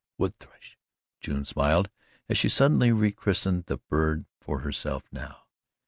Wood thrush! June smiled as she suddenly rechristened the bird for herself now.